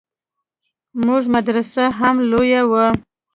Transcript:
زموږ مدرسه هم لويه وه.